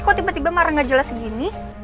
kok tiba tiba marah gak jelas gini